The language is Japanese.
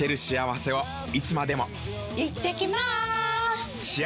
いってきマース！